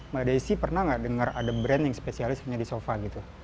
mbak desi pernah nggak dengar ada brand yang spesialis punya di sofa gitu